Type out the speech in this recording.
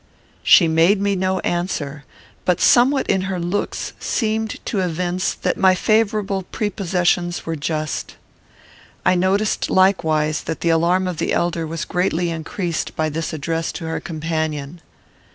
She made me no answer, but somewhat in her looks seemed to evince that my favourable prepossessions were just. I noticed likewise that the alarm of the elder was greatly increased by this address to her companion.